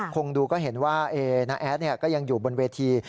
คงดูก็เห็นว่าน้าแอดก็ยังอยู่บนเวที